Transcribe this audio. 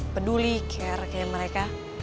peduli care kayak mereka